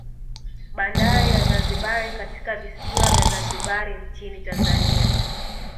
Bandari ya Zanzibar katika visiwa vya Zanzibari nchini Tanzania